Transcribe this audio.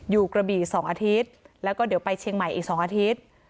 กระบี่๒อาทิตย์แล้วก็เดี๋ยวไปเชียงใหม่อีก๒อาทิตย์